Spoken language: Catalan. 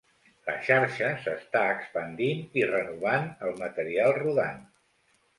La xarxa s'està expandint i renovant el material rodant.